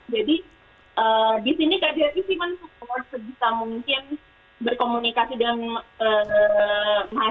jadi di sini kjri sih memang sebesar mungkin berkomunikasi dengan